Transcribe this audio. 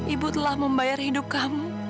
ibu telah membayar hidup kamu